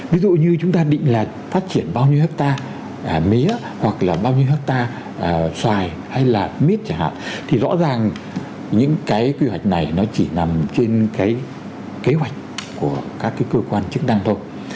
ví dụ như chúng ta định là phát triển bao nhiêu hectare mía hoặc là bao nhiêu hectare xoài hay là mít chẳng hạn thì rõ ràng những cái quy hoạch này nó chỉ nằm trên cái kế hoạch của các cơ quan chức năng thôi